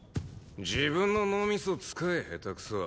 自分の脳みそ使え下手くそ。